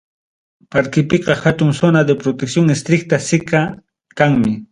Parkipiqa hatun zona de "protección estricta" siqa kanmi.